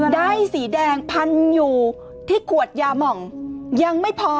ได้สีแดงพันอยู่ที่ขวดยาหม่องยังไม่พอ